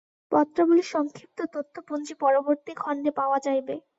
পত্রাবলীর সংক্ষিপ্ত তথ্যপঞ্জী পরবর্তী খণ্ডে পাওয়া যাইবে।